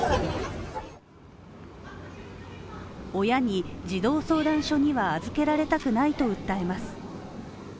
親に、児童相談所には預けられたくないと訴えます。